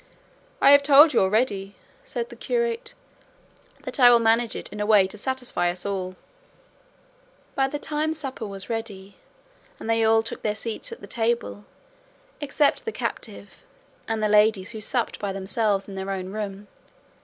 "I have told you already," said the curate, "that I will manage it in a way to satisfy us all." By this time supper was ready, and they all took their seats at the table, except the captive, and the ladies, who supped by themselves in their own room.